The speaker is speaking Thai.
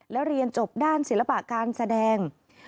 แล้วเรียนจบด้านศิลปะการแสดง